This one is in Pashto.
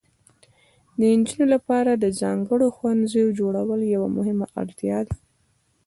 د نجونو لپاره د ځانګړو ښوونځیو جوړول یوه مهمه اړتیا ده.